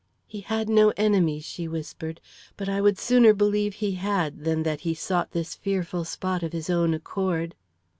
"He had no enemies," she whispered; "but I would sooner believe he had, than that he sought this fearful spot of his own accord."